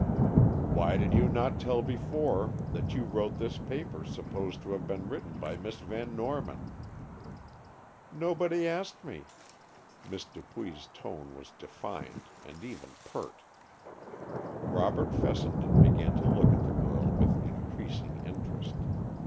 "Why did you not tell before that you wrote this paper supposed to have been written by Miss Van Norman?" "Nobody asked me." Miss Dupuy's tone was defiant and even pert. Robert Fessenden began to look at the girl with increasing interest.